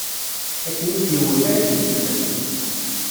Akken i k-iwwet, ara k-id-ifakk.